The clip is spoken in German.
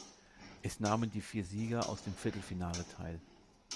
Es nahmen die vier Sieger aus dem Viertelfinale teil.